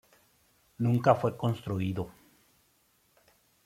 Nunca fue construido.